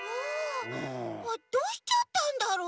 あどうしちゃったんだろう？